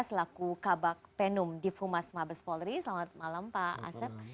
selaku kabak penum di fumas mabespolri selamat malam pak asep